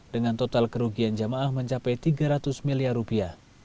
dengan total kerugian jamaah mencapai tiga ratus miliar rupiah